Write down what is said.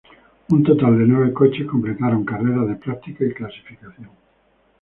Un total de nueve coches completaron carreras de práctica y clasificación.